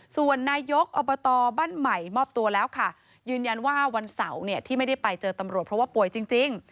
ส่วนนายกอบตบ้านใหม่มอบตัวแล้วค่ะยืนยันว่าวันเสาร์เนี่ยที่ไม่ได้ไปเจอตำรวจเพราะว่าป่วยจริง